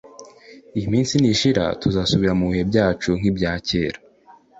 Iyi minsi nishira tuzasubira mu bihe byacu nk’ibyakera